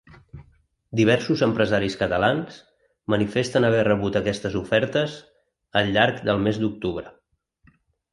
Diversos empresaris catalans manifesten haver rebut aquestes ofertes al llarg del mes d’octubre.